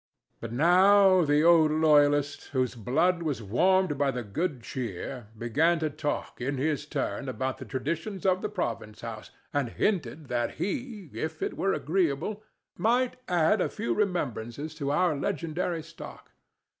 But now the old loyalist, whose blood was warmed by the good cheer, began to talk, in his turn, about the traditions of the Province House, and hinted that he, if it were agreeable, might add a few reminiscences to our legendary stock.